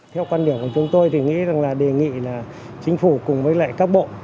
theo quan điểm của chúng tôi thì nghĩ rằng là đề nghị là chính phủ cùng với lại các bộ